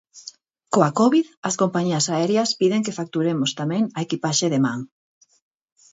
Coa Covid, as compañías aéreas piden que facturemos tamén a equipaxe de man.